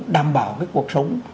đảm bảo cái cuộc sống của tổ quốc